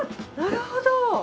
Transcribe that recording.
あなるほど！